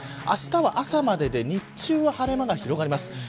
あしたの朝までで日中は晴れ間が広がります。